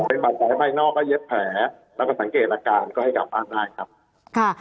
เป็นบาดแผลภายนอกและเย็บแผลแล้วก็สังเกตอาการก็ให้กลับบ้านได้ครับค่ะ